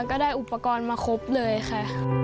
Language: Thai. ก็ได้อุปกรณ์มาครบเลยค่ะ